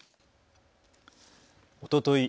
おととい